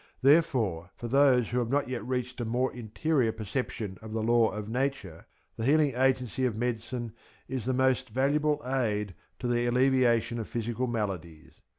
Therefore, for those who have not yet reached a more interior perception of the law of Nature, the healing agency of medicine is a most valuable aid to the alleviation of physical maladies.